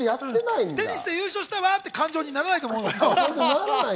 優勝したわって感情にならないと思うのよ。